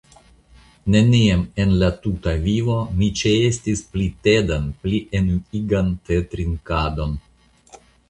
Neniam en la tuta vivo mi ĉeestis pli tedan pli enuigan tetrinkadon.